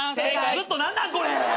ずっと何なんこれ！